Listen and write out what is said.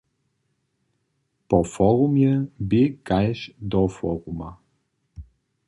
Po forumje bě kaž do foruma.